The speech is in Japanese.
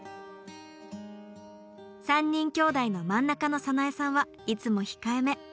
３人きょうだいの真ん中の早苗さんはいつも控えめ。